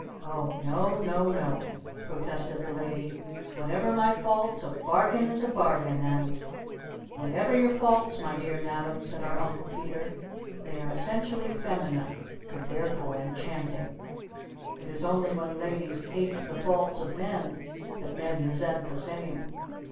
Oh, no no no," protested the Lady, "whatever my faults, a bargain is a bargain and " "Whatever your faults, my dear Madam," said our Uncle Peter, "they are essentially feminine and therefore enchanting! It is only when ladies ape the faults of men that men resent the same!